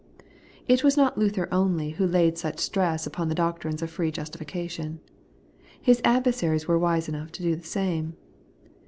It was not Luther only who laid such stress upon the doctrine of free justification. His adver saries were wise enough to do the same.